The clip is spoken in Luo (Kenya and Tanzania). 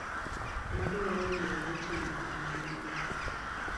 Wadwaro riwore timo oala ni